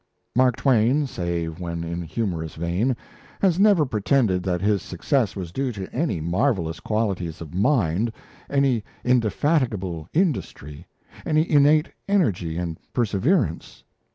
Mark Twain, save when in humorous vein, has never pretended that his success was due to any marvellous qualities of mind, any indefatigable industry, any innate energy and perseverance.